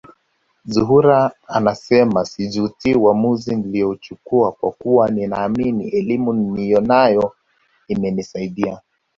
Zuhura anasema sijutii uamuzi niliouchukua kwa kuwa ninaamini elimu niliyonayo imenisaidia